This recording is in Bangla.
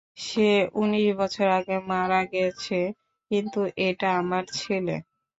সে ঊনিশ বছর আগে মারা গেছে, কিন্তু এটা আমার ছেলে।